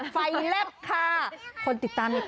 ไฟแลบค่ะ